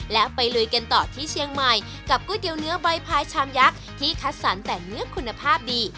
และไปลุยกันต่อที่เชียงใหม่กับก๋วยเตี๋ยวเนื้อใบพายชามยักษ์ที่คัดสรรแต่เนื้อคุณภาพดี